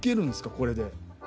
これで。